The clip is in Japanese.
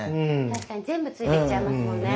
確かに全部ついてきちゃいますもんね。